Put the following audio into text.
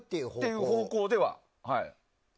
そういう方向では。